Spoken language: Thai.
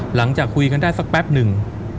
หลังจากคุยกันได้สักแป๊บหนึ่ง